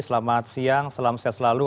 selamat siang selamat siang selalu